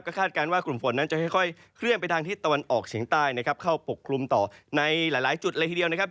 คาดการณ์ว่ากลุ่มฝนนั้นจะค่อยเคลื่อนไปทางทิศตะวันออกเฉียงใต้นะครับเข้าปกคลุมต่อในหลายจุดเลยทีเดียวนะครับ